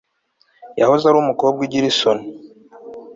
yahoze ari umukobwa ugira isoni